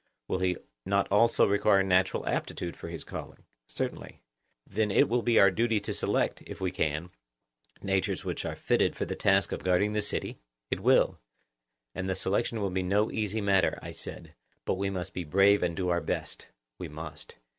Will he not also require natural aptitude for his calling? Certainly. Then it will be our duty to select, if we can, natures which are fitted for the task of guarding the city? It will. And the selection will be no easy matter, I said; but we must be brave and do our best. We must.